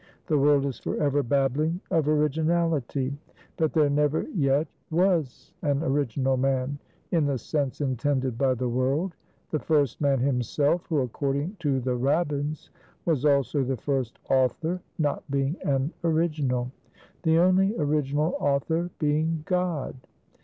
The world is forever babbling of originality; but there never yet was an original man, in the sense intended by the world; the first man himself who according to the Rabbins was also the first author not being an original; the only original author being God.